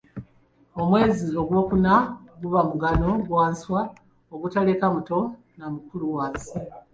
Omwezi gwokuna guba mugano gwa nswa ogutaleka muto na mukulu wansi.